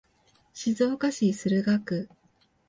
静岡市駿河区